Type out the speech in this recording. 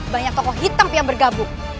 banyak tokoh hitam yang bergabung